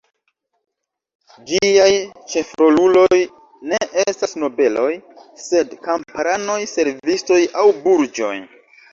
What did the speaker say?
Ĝiaj ĉefroluloj ne estas nobeloj, sed kamparanoj, servistoj aŭ burĝoj.